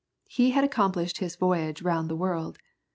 He had accomplished his voyage round the world.